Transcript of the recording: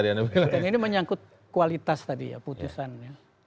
yang ini menyangkut kualitas tadi ya putusannya